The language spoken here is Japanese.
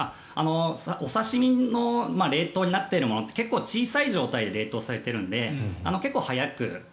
お刺し身の冷凍になっているものって小さい状態で冷凍されているので結構早く。